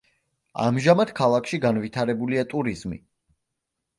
ამჟამად ქალაქში განვითარებულია ტურიზმი.